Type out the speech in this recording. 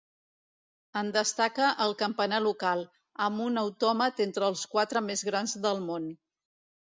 En destaca el campanar local, amb un autòmat entre els quatre més grans del món.